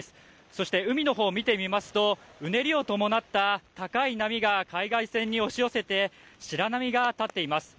そして、海のほう見てみますと、うねりを伴った高い波が海岸線に押し寄せて、白波が立っています。